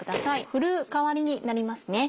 ふるう代わりになりますね。